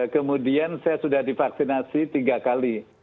kemudian saya sudah divaksinasi tiga kali